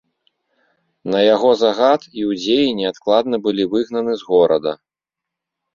На яго загад іўдзеі неадкладна былі выгнаны з горада.